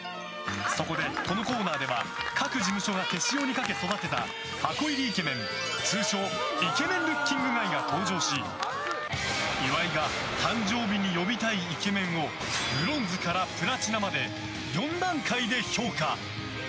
そこで、このコーナーでは各事務所が手塩にかけ育てた箱入りイケメン通称イケメン・ルッキング・ガイが登場し岩井が誕生日に呼びたいイケメンをブロンズからプラチナまで４段階で評価。